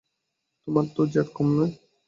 তোমার তো জেদ কম নয়!